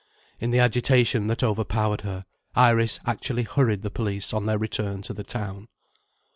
In the agitation that overpowered her, Iris actually hurried the police on their return to the town.